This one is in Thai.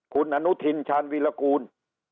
คุณอนุทินชาญวิรากูล